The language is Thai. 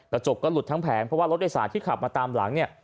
กระจกก็หลุดทั้งแผงเพราะว่ารถโดยสารที่ขับมาตามหลังเนี่ย